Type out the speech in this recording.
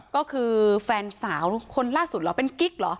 ก็คือแฟนสาวคนล่าสุดเหรอเป็นกิ๊กเหรอ